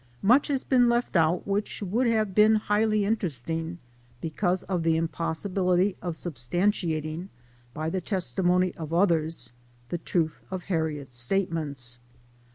Much has been left out which would have been highly interesting, because of the impossibility of substantiating by the testimony of others the truth of Harriet's statements.